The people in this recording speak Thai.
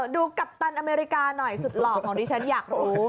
กัปตันอเมริกาหน่อยสุดหล่อของดิฉันอยากรู้